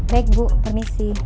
baik bu permisi